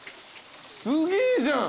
すげえじゃん。